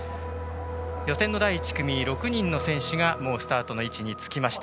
予選の第１組６人の選手がスタートの位置につきました。